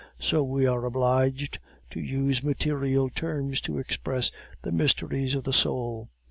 So we are obliged to use material terms to express the mysteries of the soul.